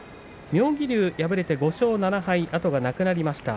妙義龍、敗れて５勝７敗と後がなくなりました。